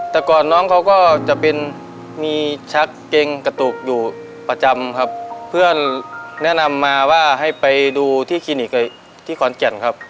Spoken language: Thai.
แต่ก่อนน้องเขาก็จะเป็นมีชักเกงกระตุกอยู่ประจำครับเพื่อนแนะนำมาว่าให้ไปดูที่คลินิกที่ขอนแก่นครับ